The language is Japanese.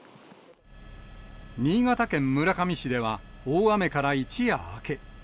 新潟県村上市では、大雨から一夜明け。